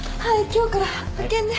今日から派遣で。